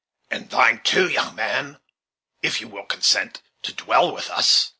And thine too, young man, if thou wilt consent to dwell with us."